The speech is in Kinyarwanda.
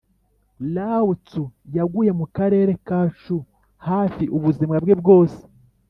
lao tzu yaguye mu karere ka chou hafi ubuzima bwe bwose.